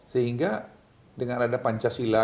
sehingga dengan ada pancasila